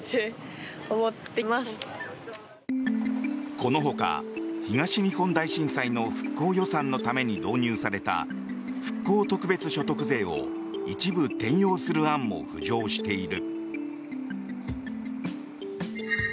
このほか、東日本大震災の復興予算のために導入された復興特別所得税を一部転用する案も浮上している。